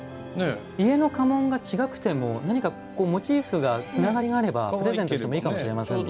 家の家紋が違っても何か、モチーフがつながりがあればプレゼントとしていいかもしれないですね。